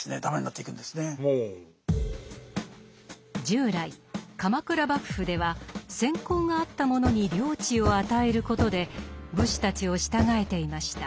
従来鎌倉幕府では戦功があった者に領地を与えることで武士たちを従えていました。